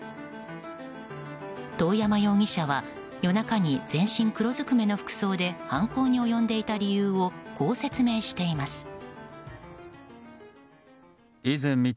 遠山容疑者は夜中に全身黒ずくめの服装で犯行に及んでいた理由をこう説明しています。